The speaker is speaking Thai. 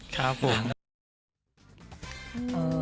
ครับผม